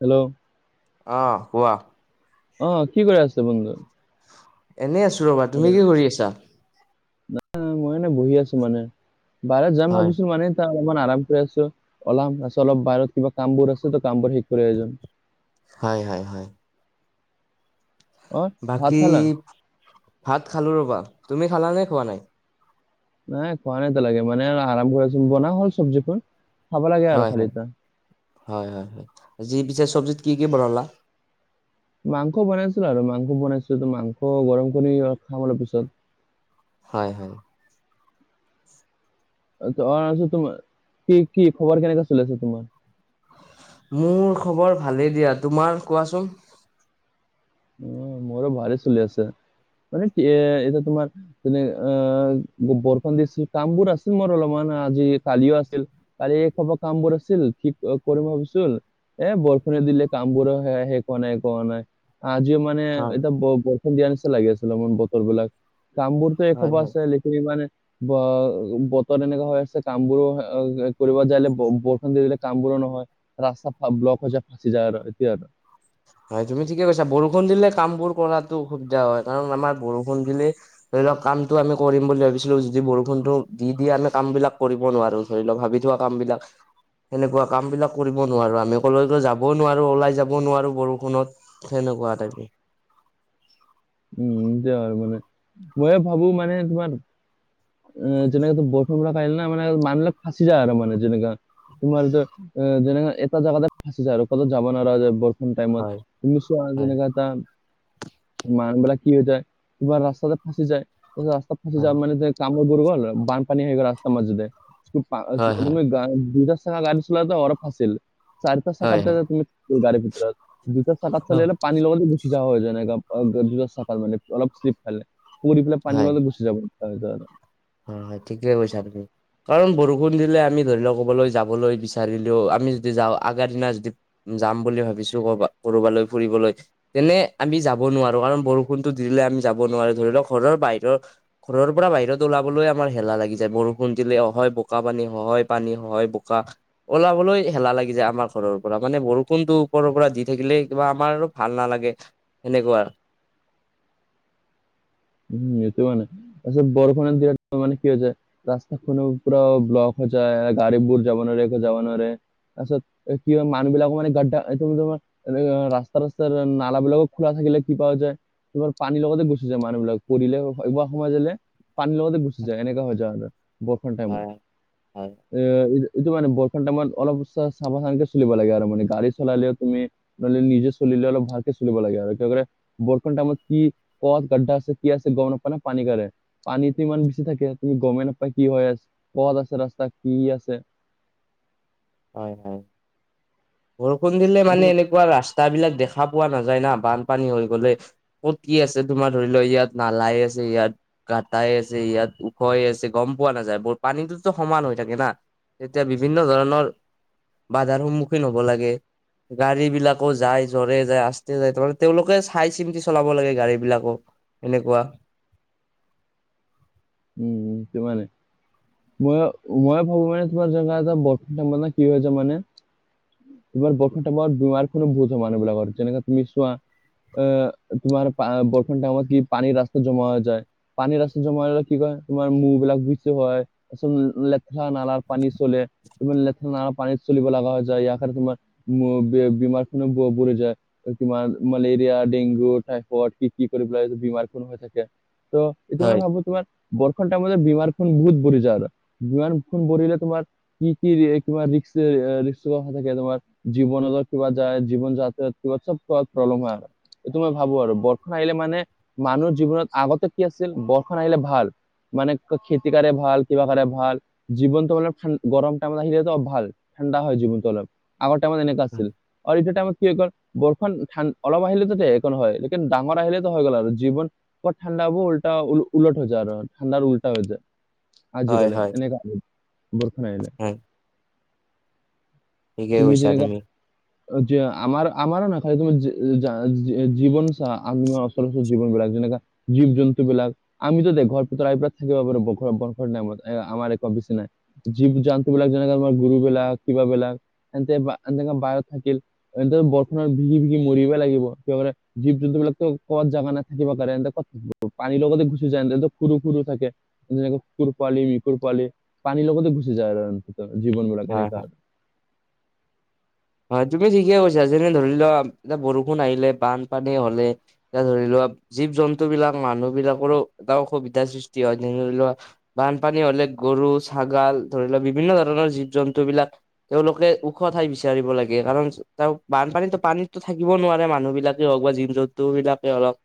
Hello অ, কোৱা? অ কি কৰি আছে বন্ধু? এনেই আছো ৰবা, তুমি কি কৰি আছা? মই মানে বহি আছো মানে। বাইৰত যাম হয় ভাবিছো মানে ত অলমান আৰাম কৰি আছো, অলাম তাছত অলপ বাইৰত কিবা কাম বোৰ আছে যে কাম বোৰ শেষ কৰি আহিজাম। হয়, হয়, হয়। অ ভাত বাকী খালা ভাত খালো ৰবা, তুমি খালা নে, খোৱা নাই? নাই খোৱা নাই এতিয়া লেগে। মানে আৰাম্ভ কৰি আচ বনাই হোৱা নাই চব্জিকন। হয়, হয়। হয়, হয়, হয় আজি পিছে চব্জিত কি কি বনালা? মাংস বনাইছিলো আৰু মাংস বনাইছো, মাংস গৰম কৰি খাম অলপ পিছত। হয়, হয়। [unintelligible] তোমাৰ কি কি খবৰ কেনেকা চলি আছে তোমাৰ? মোৰ খবৰ ভালেই দিয়া। তোমাৰ কোৱাচোন? উ মোৰো ভালেই চলি আছে। মানে কি এ এতিয়া তোমাৰ তেনে অ বৰষুণ দিছিল কাম বোৰ আছিল মোৰ অলপমান, আজি কালিও আছিল। কালি এই খবৰ কামবোৰ আছিল, কি ঠিক কৰিম ভাবিছিল, এ বৰষুণে দিলে কামবোৰ শেষ হোৱা নাই কোৱা নাই। আজিও মানে হয় এতিয়া বৰষুণ দিয়া নিচা লাগি আছিল ম বতৰ বিলাক। কামবোৰ হয় খবৰ হয়। আছে লিখনি মানে বা বতৰ এনেকা হৈ আছে কামবোৰো এ কৰিব যালে ব বৰষুণ দি দিলে কামবোৰো নহয়। ৰাস্তা ব্লক হৈ যায় ফাঁচি যায় আৰু এতিয়া আৰু হয় তুমি ঠিকে কৈছা। বৰষুণ দিলে কাম বোৰ কৰাতো অসুবিধা হয়। কাৰণ আমাৰ বৰষুণ দিলে ধৰি লওক কামটো আমি কৰিম বুলি ভাবিছিলো, যদি বৰষুণটো দি দিয়ে আমি কাম বিলাক কৰিব নোৱাৰো। ধৰি লওক ভাবি থোৱা কাম বিলাক। এনেকুৱা কাম বিলাক কৰিব নোৱাৰো, আমি কলৈকো যাবও নোৱাৰো, ওলাই যাব নোৱাৰো বৰষু কোনত সেনেকুৱা টাইপি। উম [unintelligible] হয় মানে। মই ভাবো মানে তোমাৰ অ যেনেকা বৰষুণৰ কাৰণে মানে মানুহবিৰাক ফাঁচি যায় আৰু মানে যেনেকা। তোমাৰো যেনে এটা জাগাতে ফচি যায় আৰু কতো যাব নোৱাৰা হৈ যায় [unintelligible] টাইমত হয় তুমি চোৱা হয় যেনেকুৱা এটা মানুহ বিলাক কি হৈ যায়, কিবা ৰাস্তাতে ফচি যায়, ৰাস্তাত ফচি যা হয় মানে [unintelligible] কাম বোৰ গ'ল, বানপানী হৈ গ'ল ৰাস্তা মাজিতে, হয় হয় তুমি গ দুটা [unintelligible] গাড়ী চলাটো অৰফ আছিল। চাৰিটা চাকাত হয় হয় তুমি গাড়ী ভিতৰত, দুটা চকাত চল [unintelligible] পানীৰ লগতে গুচি যা হয় যেনেকাত চাফাল মানে অলপচলিপ ফালে। পু পেলাই পানীৰ হয় লগতে গু যাবাদা [unintelligible] হয়, হয়। ঠিকে কৈছা তুমি। কাৰণ বৰষুণ দিলে আমি ধৰি লওক, ক'বালৈ যাবলৈ বিচাৰিলেও আমি যদি যাওঁ আগাৰ দিনা যদি যাম বুলি ভাবিছো কৰবা, কৰবালৈ ফুৰিবলৈ। তেনে আমি যাব নোৱাৰো কাৰণ বৰষুণতো দিলে আমি যাব নোৱাৰো ধৰি লওক ঘৰৰ বাহিৰৰ - ঘৰৰ ৰ পৰা বাহিৰত- ওলাবলৈ আমাৰ হেলা লাগি যায় বৰষুণ দিলেহ হয় বোক পানী হয় হয় পানী হয় বোকা। ওলাবলৈ হেলা লাগি যায় আমাৰ ঘৰৰ পৰা মানে বৰষুণটো ওপৰৰ পৰা দি থাকিলে কিবা আমাৰ আৰু ভাল নালাগে সেনেকুৱা উম এইটো মানে, আচ্ছা বৰষুণে দি মান কি হৈ যায়। ৰাস্তাখনো পুৰা ব্লক হৈ যায়, গাড়ীবোৰ যাব নোৱাৰে একো যাব নোৱাৰে তাৰপিছত কি হয় মানুহ বিলাকো মানে গাৰডা তুমি তোমাৰ এ ৰাস্তা-ৰাস্তাৰ নালা বিলাকো খোলা থাকিলে কিবা পোৱা যায়, এইবাৰ পানী লগাতে গুচি যায় মানুহ বিলাক। পৰিলে ব সময় যালে, পানীৰ লগতে গো যায় এনেকা হৈ যায় আৰু বৰষুন টাইমত হয় হয় - এ এইটো মানে বৰষুণটাইমত অলপ সাবধানকে চলিব লাগে আৰু মানে গাড়ী চলালেও তুমি - নহলে নিজে চলিলে অলপ ভালকে চলিব লাগে আৰু কি কৰে বৰষুনটাইমত কি কথ গাড্ডা আছে। কি আছে গম নাপায় নে পানী কাৰণে পানীটো ইমান বেছি থাকে তুমি গমেই নাপায় কি হয় আছ। পদ আছে ৰাস্তা কি আছে? হয় হয়, বৰষুণ দিলে এইটো মানে মা- এনেকুৱা- কুৱা ৰাস্তা বিলাক দেখা পোৱা নাযায় না বানপানী হৈ গ'লে। কত কি আছে তোমাৰ ধৰি লও ইয়াত নালাই আছে ইয়াত। কটাই আছে ইয়াত ওখয় আছে গম পোৱা নাযায় ব পানীটোতো সমান হৈ থাকে না। তেতিয়া বিভিন্ন ধৰণৰ- বাধাৰ সন্মুখীন হ'ব লাগে। গাড়ী বিলাকো যায় জ্বৰে যায় আষ্টে যায় তেওঁলোকে চাই চিন্তি চলাব লাগে গাড়ী বিলাকো এনেকুৱা উম উ সিমানে মই ময় ভাবো মানে তোমাৰ জেগা এটাৰ মানে কি হৈ যায় মানে- তোমাৰ বৰমাৰ বমাৰো বোজ মানুহবিলাকৰ যেনেকে তুমি চোৱা। আ তোমাৰ বৰষুণ টাইমত কি পানীৰ ৰাস্তা জমা হৈ যায় পানীৰ ৰাস্তা জমা হৈ কি কয় তোমাৰ মহ বিলাক বেছি হয় লেথৰা নালাৰ পানী চলে। লেথাৰ নালা পানী চলিব লগা হৈ যায় ইয়া কাৰনে তোমাৰ উ বেমাৰ খো বঢ়ি যায় তোমাৰ মালেৰিয়া ডেংগু টাইফইড কি কি কৰি পেলাই বিমাৰ কোনো হৈ থাকে ত- এইটো মই হয় ভাবো তোমাৰ বৰষুণ টাইমত বিমাৰ খন বহুত বঢ়ি যায় আৰু বিমান খন বঢ়িলে তোমাৰ। কি কি কিবা ৰিক্স কথা থাকে তোমাৰ - জীৱনত কিবা যায় জীৱন যাত্ৰাত কিবা চব ক প্ৰব্লেম হয় আৰু। এইটো মই ভাবো আৰু বৰ্ষা আহিলে মানে মানুহৰ জীৱনত আগতে কি আছিল বৰ্ষা আহিলে ভাল। মানে খেতিকাৰে ভাল কিবা কৰে ভাল জীৱনটো মান গৰম টাইমত আহিলেতো ভাল। ঠাণ্ডা হয় জীৱনটো অলপ আগৰ টাইমত এনেকুৱা আছিল, আৰু এতিয়া টাইমত কি হয় কৰে - বৰষন ঠাণ অলপ আহিলেতো দে এখন হয় লকন ডাঙৰ আহিলেতো হৈ গল আৰু জীৱন- [unintelligible] ব ঠাণ্ডা হব উল্টা উলট হৈ যায় আৰু। ঠাণ্ডাৰ উল্টা হৈ যায় হয় আজিকালি হয় এনেকা বৰষুণ আহিলে। হয় ঠিকেই তুমি কৈছা যেনেকা- যে আমাৰ আমাৰ নেথাকিলে জীৱন জীৱন বিলাক যেনেকা- জীৱ জন্তু বিলাক আমিতো দে ঘৰ- তই থাকিব পাৰ বৰষুণ নাই আমাৰ এক বিচি নাই। জীৱ জন্তুবিলাক যেনেকে তোমাৰ গৰুবিলাক কিবা বিলাক হেঁতে এ বাহিৰত থাকিল। এনে বৰষুণত ভিজী ভিজী মৰিব লাগিব কি জীৱ জন্তুবিলাতো কত জাগা নথাকিব কাৰণ এনে কত থাকিব। পানী লগতে গুচি যায় এনেটো। সৰু সৰু থাকে যেনেকৈ কুকুৰ পোৱালি মিকুৰ পোৱালি পানীৰ লগতে গোচি যায় আৰু। জীৱনবিলাক হয়। অনেকা। হয় তুমি ঠিকে কৈছা যেনে ধৰি লোৱা এতিয়া বৰষুণ আহিলে বানপানী হলে। এ ধৰি লোৱা জীৱ জন্তু বিলাক মানুহ বিলাকৰো এটা অসুবিধাৰ সৃষ্টি হয় যেনে ধৰি লোৱা- বানপানী হলে গৰু ছাগাল ধৰি লোৱা বিভিন্ন ধৰণৰ জীৱ জন্তুবিলাক- তেওঁলোকে ওখ ঠাই বিচাৰিব লাগে কাৰণ চাওক বানপানীতো পানীতো থাকিব নোৱাৰে মানুহ বিলাকেই হওক বা জীৱ জন্তু বিলাকেই হওক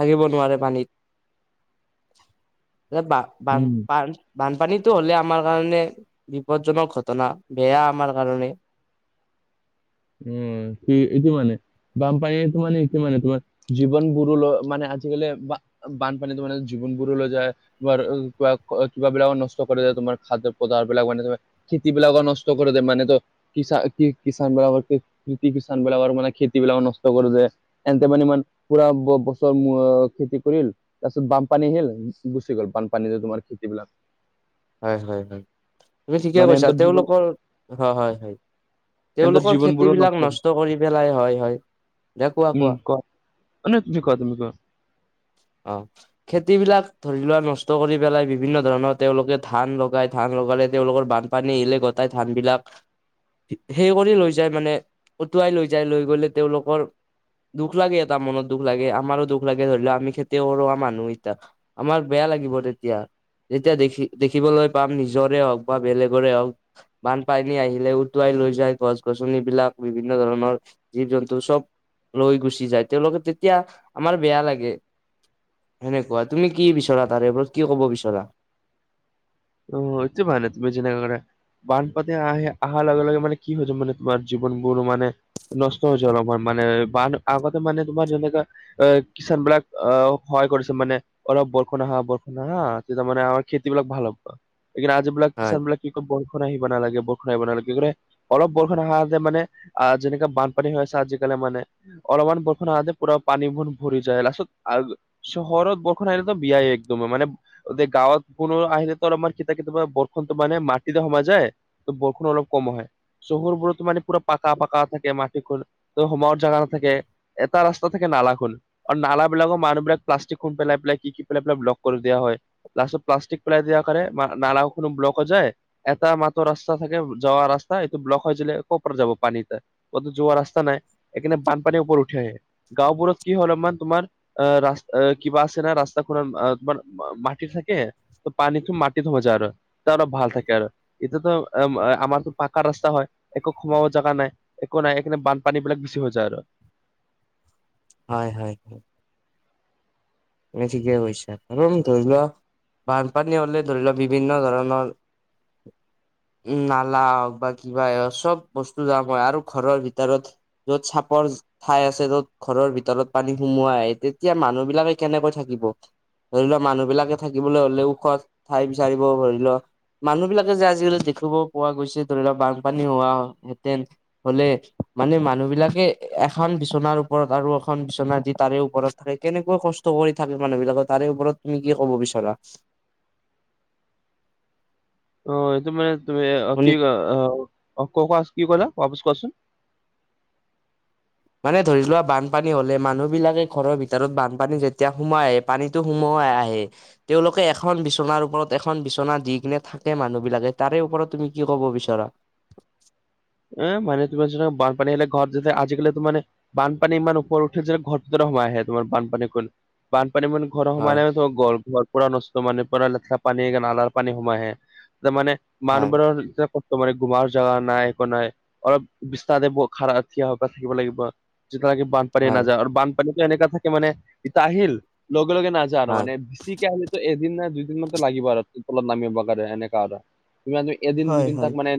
থাকিব নোৱাৰে পানীত বান বান উম বান বানপানীটো হ'লে আমাৰ কাৰণে বিপদজনক ঘটনা, বেয়া আমাৰ কাৰণে। উম সি এইটো কাৰণে। বানপানীয়ে টো এইটো মানে কি মানে তোমাৰ জীৱন বোৰো মানে আজিকালি বানপানীতো মানে জীৱনবোৰো লৈ যায়। তমাৰ কিবা কিবাবিলাক নষ্ট কৰি দিয়া তোমাৰ খাদ্য পদাৰ্থ বিলাক মানে খেতি বিলাকৰ নষ্ট কৰি দে মানে তো কিষা কি কিষান বিলাগৰ কৃষি কিষণ বিলাকৰ মানে খেতি বিলাকও নষ্ট কৰে যে এনতে মানে ইমান পুৰা বছৰ খেতি কৰিল তাৰপিছত বানপানী আহিল গুচি গ'ল বানপানী যে তোমাৰ খেতিবিলাক। হয় হয় হয় তুমি ঠিকে মানে কৈছা এহঁতৰ জীৱন তেওঁলোকৰ, হয় হয় হয়। তেওঁলোকৰ খেতি বিলাক নষ্ট কৰি পেলাই, হয় হয়। দে কোৱা কোৱা? মানে যি কোৱা, তুমি কোৱা? অ খেতিবিলাক ধৰি লোৱা নষ্ট কৰি পেলাই বিভিন্ন ধৰণৰ তেওঁলোকে ধান লগাই ধান লগালে তেওঁলোকৰ বানপানী ইলে গটাই ধানবিলাক সে কৰি লৈ যায় মানে, উটুৱাই লৈ যায় লৈ গলে তেওঁলোকৰ দুখ লাগে এটা মনত দুখ লাগে আমাৰো দুখ লাগে ধৰি লও আমি খেতি কৰা মানুহ এইতাক আমাক বেয়া লাগিব তেতিয়া যেতিয়া দেখি দেখিবলৈ পাম নিজৰে হওক বা বেলেগৰে হওক বানপানী আহিলে উটুৱাই লৈ যায় গছ গছনিবিলাক বিভিন্ন ধৰণৰ জীৱ জন্তু চব লৈ গুচি যায় তেওঁলোকে তেতিয়া আমাৰ বেয়া লাগে। সেনেকুৱা তুমি কি বিচৰা তাৰে ওপৰত কিয় ক'ব বিচৰা? অ এতিয়া ভানত বুজি নাইপৰে বানপাতে আহে অহাৰ লগে লগে মানে কি হৈ হৈছে মানে তোমাৰ জীৱনবোৰ মানে নষ্ট হৈ যল আমাৰ মানে বান আগতে মানে তোমাৰ যেনেকা এ কিষান বিলাক আ সহায় কৰিছে মানে অলপ বৰষুণ আহা বৰষুণ আহা তেতিয়া মানে আৰু খেতিবিলাক ভাল হব এ আজি এইবিলাক হয় কিষান বিলাক কি কয় বৰষুণ আহিব নালাগে বৰষুণ আহিব নালাগে, কি কৰে অলপ বৰষুণ অহাতে মানে আ যেনেকা বানপানী হৈ আছে আজিকালি মানে অলপমান বৰষুণ আহোঁতে পোৰা পানী ভোন ভৰি যায় লাষ্টতত আ- চহৰত বৰষুণ আহিলতো বিয়াই একদম মানে গাঁৱত কোনো আহিলে ত আমাৰ কি থাকে তোমাৰ বৰষুণটো মানে মাটিতে সোমাই যায় ত বৰষুণ অলপ কম হয় চহৰবোৰতো পুৰা পাকা পাকা থাকে মাটিখন ত হোমাৰ জাগা নাথাকে। এটা ৰাস্তা থাকে নালাখোন আৰু নালাবিলাকৰ মানুহ বিলাক প্লাষ্টিক খুন পেলাই পেলাই কি কি পেলাই পেলাই ব্লক কৰি দিয়া হয়। লাষ্টত প্লাষ্টিক পেলাই দিয়া কৰে নালাও ব্লক হৈ যায়। এটা মাত্ৰ ৰাস্তা থাকে যাৱা ৰাস্তা এইটো ব্লক হৈ দিলে ক'ৰ পৰা যাব পানীতে কতো যোৱা ৰাস্তা নাই এইকাৰণে বানপানীৰ ওপৰত উঠি আহে। গাঁওবোৰত কি হয় অলপমান তোমাৰ আহ ৰাস্ত কিবা আছে না ৰাস্তা খনে তোমাৰ মাটিৰ থাকে পানী মাটিত থব যায় আৰু ত আৰু ভাল থাকে আৰু। এতিয়াতো আমাৰতো পাকাৰ ৰাস্তা হয় একো সোমাব জাগা নাই। একো নাই এইকাৰণে বানপানী বিলাক বেছি হৈ যায় আৰু। হয় হয় হয়। উম ঠিকে কৈছা হ'ব উম ধৰি লোৱা বানপানী হলে ধৰি লোৱা বিভিন্ন ধৰণৰ উ নালা হওক বা কিবা চব বস্তু যাম হয় আৰু ঘৰৰ ভিতৰত য'ত চাপৰ ঠাই আছে য'ত ঘৰৰ ভিতৰত পানী সোমাই আহে তেতিয়া মানুহ বিলাকে কেনেকৈ থাকিব, ধৰি লোৱা মানুহ বিলাকে থাকিবলৈ হ'লেও ওখ ঠাই বিচাৰিব ধৰি ল মানুহ বিলাকে যে আজিকালি দেখিব পোৱা গৈছে ধৰি লোৱা বানপানী হোৱা হেঁতেন হ'লে মানে মানুহ বিলাকে এখন বিচনাৰ ওপৰত আৰু এখন বিচনা দি তাৰে ওপৰত থাকে। কেনেকুৱা কষ্ট কৰি থাকে মানুহ বিলাকৰ তাৰে ওপৰত তুমি কি ক'ব বিচৰা? অঁ এইটো মানে তুমি কি শুনি অহ অহ কো কোৱা কি ক'লা বাপচ কোৱাচোন মানে ধৰি লোৱা বানপানী হ'লে মানুহবিলাকে ঘৰৰ ভিতৰত বানপানী যেতিয়া সোমাই পানীতো সোমোৱাই আহে। তেওঁলোকে এখন বিচনাৰ ওপৰত এখন বিচনা দি কিনে থাকে মানুহ বিলাকে তাৰে ওপৰত তুমি কি ক'ব বিচাৰা? এহ মানে তোমাৰ যেতিয়া বানপানী আহিলে ঘৰত যেতিয়া আজিকালি তো মানে বানপানী ইমান ওপৰত উঠে যে ঘৰৰ ভিতৰলে সোমাই আহে তোমাৰ বানপানী ভোন বানপানী ভোন ঘৰৰ হয় সোমালে তো ঘৰ পু পুৰা নষ্ট মানে পুৰা লেতেৰা পানী একে নালাৰ পানী সোমাই আহে। তাৰ মানে হয় মানুহবোৰৰ এতিয়া কতো মানে ঘোমাৰ জাগা নাই বনাই অলপ বিস্তাৰতে খাৰ থিয় থাকিব লাগিব যেতিয়ালৈকে বান পানী হয় নাযায় আৰু বানপানীতো এনেকা থাকে মানে ইতা আহিল লগে লগে নাযায় আৰু হয় মানে বেছিকে আহি তো এদিন নে দুইদিন মানতো লাগিব আৰু তলত নামিব কাৰণে সেনেকা আৰু, কিবা তুমি এদিন হয় দুদিন তাক হয় মানে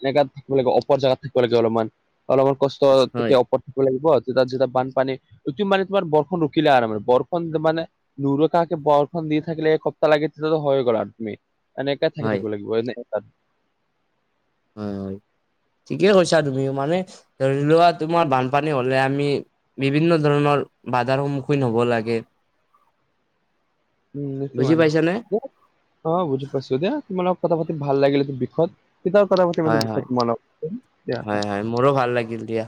এনেকাত থাকিব লাগিব ওপৰ জেগাত থাকিব লাগিব অলপমান, অলপমান কষ্ট ট হয় তেতিয়া ওপৰত লাগিব তাত যেতিয়া বানপানী সিটো মানে তোমাৰ বৰষুণ ৰখিলে আৰু মানে বৰষুণ মানে নোৰোখাকে বৰষুণ দি থাকিলে এসপ্তাহ লৈকে তেতিয়া তো হৈ গ'ল আৰু তুমি এনেকে থাকে হয় থাকিব লাগিব এনেকে তাত উম হয়। ঠিকে কৈছা তুমিও মানে ধৰি লোৱা তোমাৰ বানপানী হ'লে আমি বিভিন্ন ধৰণৰ বাধাৰ সন্মুখীন হ'ব লাগে। [inaudible] উম নিচো বুজি মানে, পাইছানে অ বুজি পাইছোঁ দিয়া তোমাৰ লগত কথা পাতি ভাল লাগিল এইটো বিষয়ত কিতাপ কৰা প মে [unintelligible] হয় হয় দেখো তোমাৰ লগত দিয়া হয় দিয়া হয় মোৰো ভাল লাগিল দিয়া।